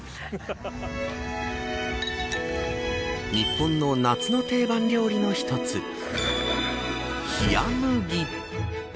日本の夏の定番料理の一つ冷麦。